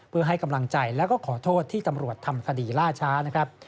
เพื่อให้กำลังใจแล้วก็ขอโทษที่ตำรวจทำคดีล่าช้านะครับ